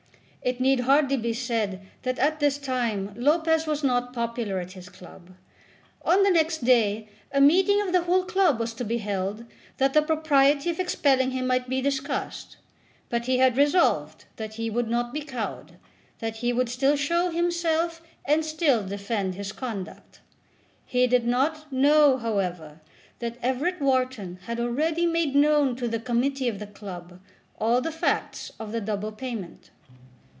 It need hardly be said that at this time Lopez was not popular at his club. On the next day a meeting of the whole club was to be held that the propriety of expelling him might be discussed. But he had resolved that he would not be cowed, that he would still show himself, and still defend his conduct. He did not know, however, that Everett Wharton had already made known to the Committee of the club all the facts of the double payment.